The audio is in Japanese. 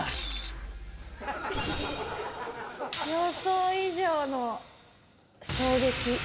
予想以上の衝撃。